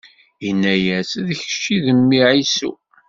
Inna-yas: D kečč i d mmi Ɛisu?